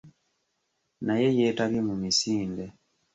Naye yeetabye mu misinde.